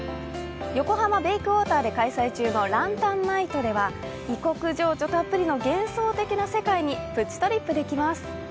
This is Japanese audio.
横浜ベイクォーターで開催中のランタンナイトでは、異国情緒たっぷりの幻想的な世界にプチトリップできます。